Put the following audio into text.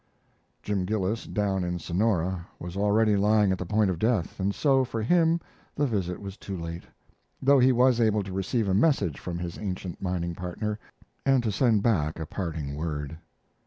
Jim Gillis, down in Sonora, was already lying at the point of death, and so for him the visit was too late, though he was able to receive a message from his ancient mining partner, and to send back a parting word.